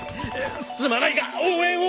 すまないが応援を。